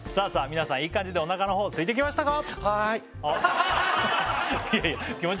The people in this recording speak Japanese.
皆さんいい感じでお腹のほうすいてきましたか？